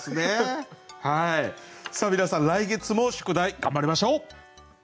皆さん来月も宿題頑張りましょう。